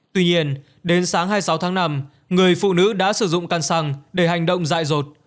tuy nhiên đến sáng hai mươi sáu tháng năm người phụ nữ đã sử dụng căn xăng để hành động dại rột